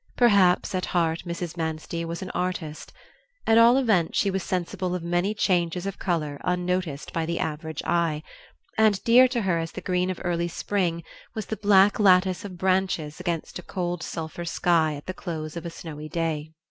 Perhaps at heart Mrs. Manstey was an artist; at all events she was sensible of many changes of color unnoticed by the average eye, and dear to her as the green of early spring was the black lattice of branches against a cold sulphur sky at the close of a snowy day.